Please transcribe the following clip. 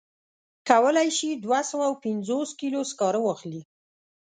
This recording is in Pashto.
کولای شي دوه سوه پنځوس کیلو سکاره واخلي.